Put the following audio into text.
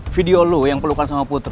video lo yang pelukan sama putri